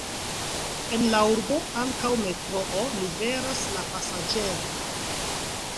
En la urbo ankaŭ metroo liveras la pasaĝerojn.